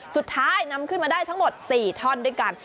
สุดท้ายนำขึ้นมาได้ทั้งหมด๔ท่อนด้วยกัน